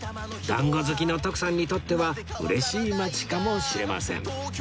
だんご好きの徳さんにとっては嬉しい町かもしれません